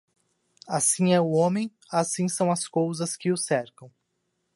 Assim é o homem, assim são as cousas que o cercam.